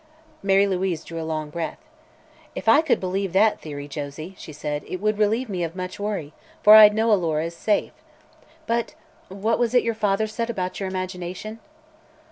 Mary Louise drew a long breath. "If I could believe that theory, Josie," she said, "it would relieve me of much worry, for I'd know Alora is safe. But what was it your father said about your imagination?"